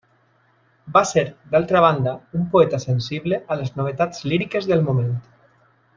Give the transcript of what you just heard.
Va ser, d'altra banda, un poeta sensible a les novetats líriques del moment.